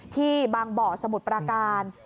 ที่บางเบาะสมุดประการ